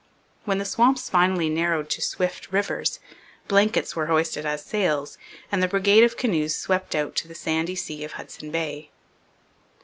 When the swamps finally narrowed to swift rivers, blankets were hoisted as sails, and the brigade of canoes swept out to the sandy sea of Hudson Bay.